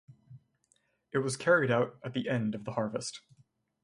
It was carried out at the end of the harvest.